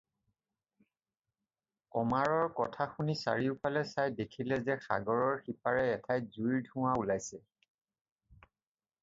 কমাৰৰ কথা শুনি চাৰিওফালে চাই দেখিলে যে সাগৰৰ সিপাৰে এঠাইত জুইৰ ধোঁৱা ওলাইছে।